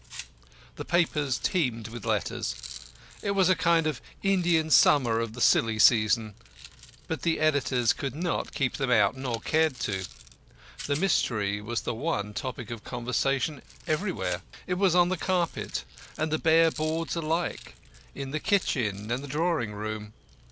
The papers teemed with letters it was a kind of Indian summer of the silly season. But the editors could not keep them out, nor cared to. The mystery was the one topic of conversation everywhere it was on the carpet and the bare boards alike, in the kitchen and the drawing room.